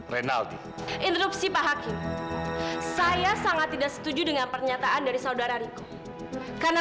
rinaldi interupsi pak hakim saya sangat tidak setuju dengan pernyataan dari saudara riko karena